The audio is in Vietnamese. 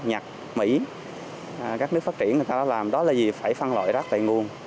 nhật mỹ các nước phát triển người ta làm đó là vì phải phân loại rác tại nguồn